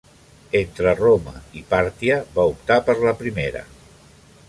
Entre Roma i Pàrtia va optar per la primera.